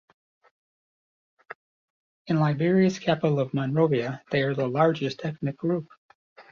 In Liberia's capital of Monrovia, they are the largest ethnic group.